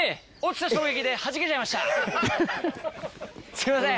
すいません！